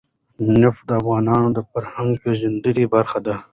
نفت د افغانانو د فرهنګي پیژندنې برخه ده.